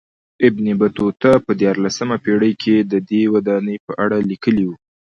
ابن بطوطه په دیارلسمه پېړۍ کې ددې ودانۍ په اړه لیکلي و.